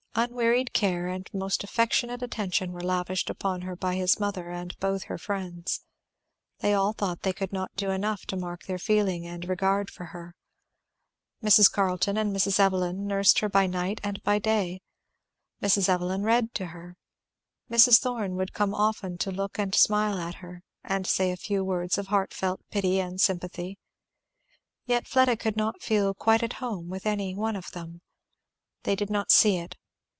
Unwearied care and most affectionate attention were lavished upon her by his mother and both her friends; they all thought they could not do enough to mark their feeling and regard for her. Mrs. Carleton and Mrs. Evelyn nursed her by night and by day. Mrs. Evelyn read to her. Mrs. Thorn would come often to look and smile at her and say a few words of heart felt pity and sympathy. Yet Fleda could not feel quite at home with any one of them. They did not see it.